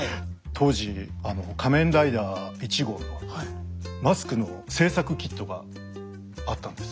当時仮面ライダー１号のマスクの製作キットがあったんです。